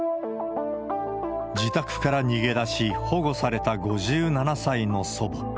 自宅から逃げ出し、保護された５７歳の祖母。